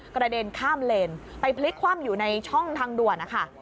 กระเด็นข้ามเลนไปพลิกคว่ำอยู่ในช่องทางด่วนนะคะ